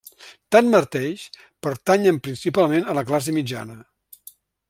Tanmateix, pertanyen principalment a la classe mitjana.